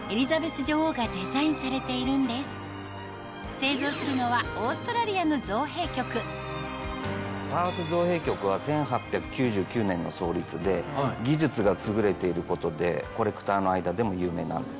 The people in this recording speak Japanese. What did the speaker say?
製造するのはオーストラリアの造幣局パース造幣局は１８９９年の創立で技術が優れていることでコレクターの間でも有名なんです。